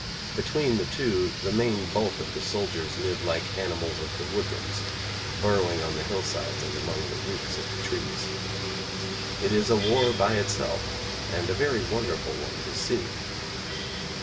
Between the two the main bulk of the soldiers live like animals of the woodlands, burrowing on the hillsides and among the roots of the trees. It is a war by itself, and a very wonderful one to see.